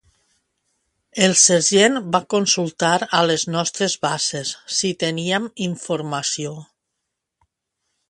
El sergent va consultar a les nostres bases si teníem informació.